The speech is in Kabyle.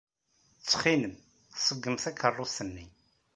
Ttxil-m, ṣeggem takeṛṛust-nni.